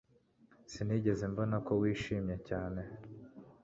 Sinigeze mbona ko wishimye cyane